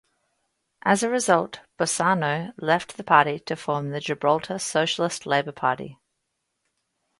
As a result, Bossano left the party to form the Gibraltar Socialist Labour Party.